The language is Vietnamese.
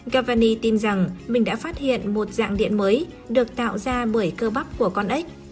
gavani tin rằng mình đã phát hiện một dạng điện mới được tạo ra bởi cơ bắp của con ếch